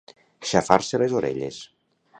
Xafar-se les orelles.